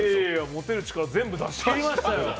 持てる力、全部出し切りましたよ。